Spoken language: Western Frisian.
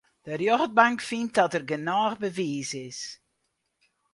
De rjochtbank fynt dat der genôch bewiis is.